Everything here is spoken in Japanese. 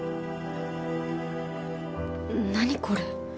何これ